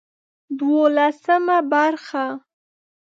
دولسمه برخه